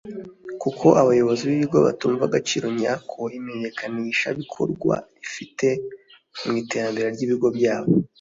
kuko abayobozi b’ibigo batumva agaciro nyako imenyekanishabikorwa rifite mu iterambere ry’ibigo byabo